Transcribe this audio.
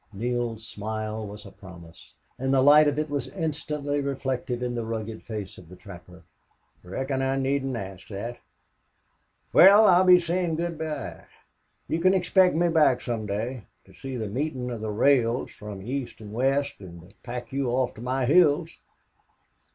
Neale's smile was a promise, and the light of it was instantly reflected on the rugged face of the trapper. "Reckon I needn't asked thet. Wal, I'll be sayin' good bye.... You kin expect me back some day.... To see the meetin' of the rails from east an' west an' to pack you off to my hills."